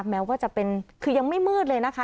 แม้ว่าจะเป็นคือยังไม่มืดเลยนะคะ